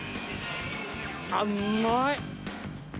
あっうまい！